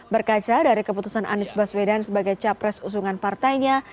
berkaca dari keputusan anies baswedan sebagai capres usungan partainya